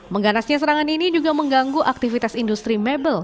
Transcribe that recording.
mengganasnya serangan ini juga mengganggu aktivitas industri mebel